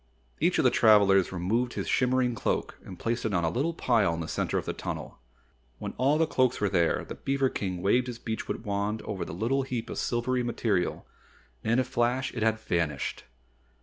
Each of the traveler removed his shimmering cloak and placed it on a little pile in the center of the tunnel. When all the cloaks were there, the beaver King waved his beechwood wand over the little heap of silvery material and in a flash it had vanished.